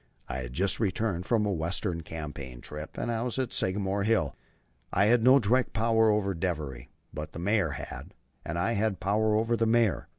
I had just returned from a Western campaign trip, and was at Sagamore Hill. I had no direct power over Devery; but the Mayor had; and I had power over the Mayor.